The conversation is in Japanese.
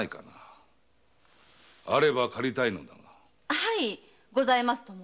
はいございますとも。